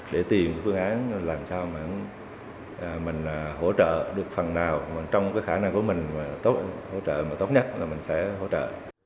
để tìm phương án làm sao mình hỗ trợ được phần nào trong khả năng của mình tốt nhất là mình sẽ hỗ trợ